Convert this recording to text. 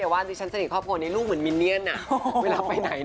ก็ว่าเมียสำออยดิฉันว่าพี่จูนยังไม่ได้เป็นอะไรหรอก